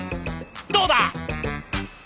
どうだ！